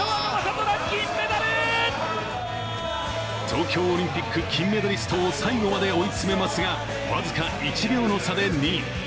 東京オリンピック金メダリストを最後まで追い詰めますが、僅か１秒の差で２位。